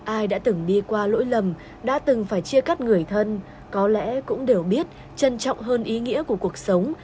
ai đã từng đi qua lỗi lầm đã từng phải chia cắt người thân có lẽ cũng đều biết trân trọng hơn ý nghĩa của cuộc sống